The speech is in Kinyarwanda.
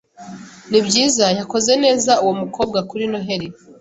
Nibyiza, yakoze neza uwo mukobwa kuri Noheri